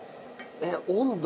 えっ温度。